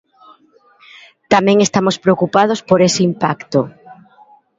Tamén estamos preocupados por ese impacto.